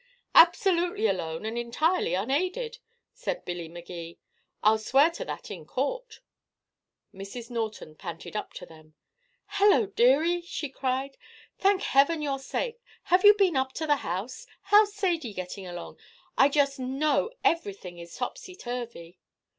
"Absolutely alone and entirely unaided," said Billy Magee. "I'll swear to that in court." Mrs. Norton panted up to them. "Hello, dearie!" she cried. "Thank heaven you're safe. Have you been up to the house? How's Sadie getting along? I just know everything is topsyturvy."